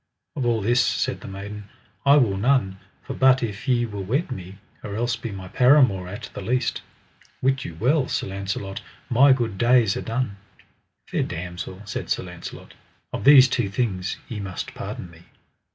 Of all this, said the maiden, I will none, for but if ye will wed me, or else be my paramour at the least, wit you well, Sir Launcelot, my good days are done. Fair damosel, said Sir Launcelot, of these two things ye must pardon me.